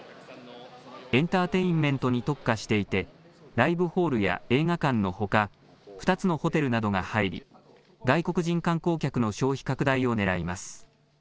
エンターテインメントに特化していてライブホールや映画館のほか２つのホテルなどが入り外国人観光客の消費拡大をねらいます。